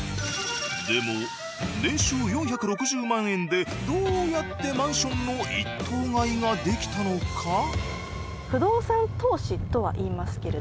でも年収４６０万円でどうやってマンションの１棟買いができたのか？